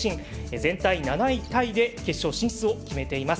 全体７位タイで決勝進出を決めています。